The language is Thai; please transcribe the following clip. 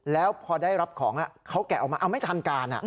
แล้วพอได้รับของเขาแกะออกมาเอาไม่ทันการ